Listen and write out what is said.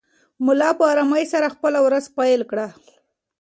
ملا په ارامۍ سره خپله ورځ پیل کړه.